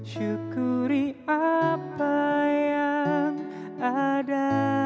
syukuri apa yang ada